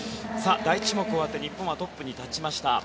第１種目を終わって日本はトップに立ちました。